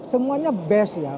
semuanya best ya